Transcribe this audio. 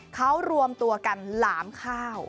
เขารวมตัวกันหลามข้าว